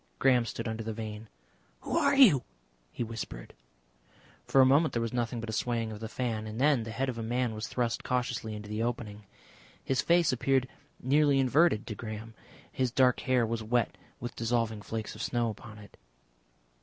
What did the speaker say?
Graham stood under the vane. "Who are you?" he whispered. For a moment there was nothing but a swaying of the fan, and then the head of a man was thrust cautiously into the opening. His face appeared nearly inverted to Graham; his dark hair was wet with dissolving flakes of snow upon it.